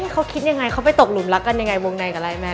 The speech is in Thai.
เขาคิดยังไงเขาไปตกหลุมรักกันยังไงวงในกับอะไรแม่